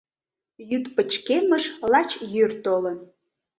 Йӱд пычкемыш — лач йӱр толын.